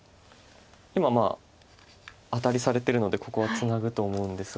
今アタリされてるのでここはツナぐと思うんですが。